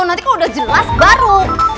nanti kalau udah jelas baru